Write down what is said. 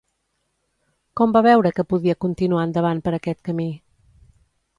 Com va veure que podia continuar endavant per aquest camí?